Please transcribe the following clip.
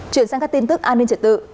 chuyển sang các tin tức an ninh trật tự